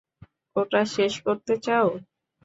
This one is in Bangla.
ওটা শেষ করতে চাও?